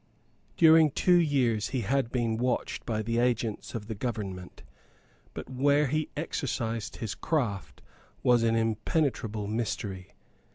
During two years he had been watched by the agents of the government; but where he exercised his craft was an impenetrable mystery.